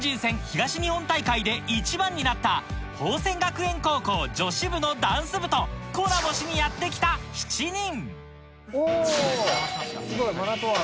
東日本大会で１番になった宝仙学園高校女子部のダンス部とコラボしにやって来た７人